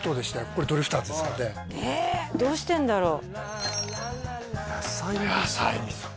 これドリフターズですからねねえどうしてんだろう？